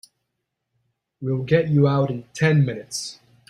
We'll get you out in ten minutes.